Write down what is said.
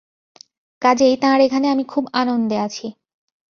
কাজেই তাঁর এখানে আমি খুব আনন্দে আছি।